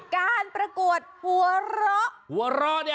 การประกวดหัวเราะ